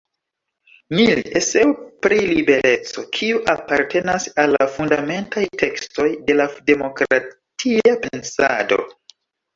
Mill “Eseo pri libereco, kiu apartenas al la fundamentaj tekstoj de la demokratia pensado.